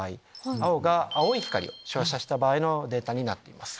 青が青い光照射した場合のデータになっています。